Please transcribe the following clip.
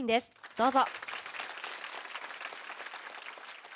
どうぞ。